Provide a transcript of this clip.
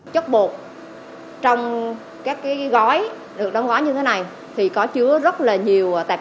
chất bột trong các gói được đông gói như thế này thì có chứa rất nhiều tạp chất